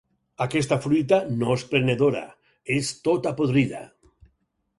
Aquesta fruita no és prenedora: és tota podrida.